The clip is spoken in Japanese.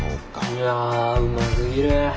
いやうますぎる。